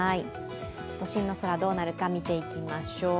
都心の空どうなるか見ていきましょう。